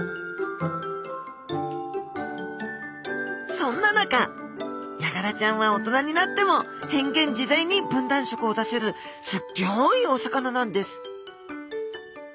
そんな中ヤガラちゃんは大人になっても変幻自在に分断色を出せるすっギョいお魚なんです！